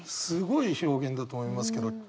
すごい表現だと思いますけど。